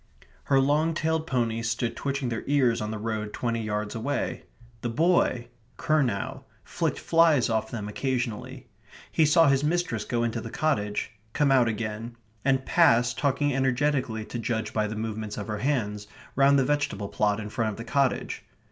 Her long tailed ponies stood twitching their ears on the road twenty yards away. The boy, Curnow, flicked flies off them occasionally. He saw his mistress go into the cottage; come out again; and pass, talking energetically to judge by the movements of her hands, round the vegetable plot in front of the cottage.